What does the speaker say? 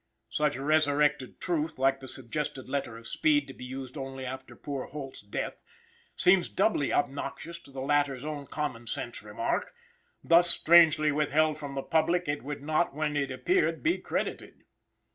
Such resurrected truth, like the suggested letter of Speed to be used only after poor Holt's death, seems doubly obnoxious to the latter's own common sense remark: "thus strangely withheld from the public, it would not, when it appeared, be credited."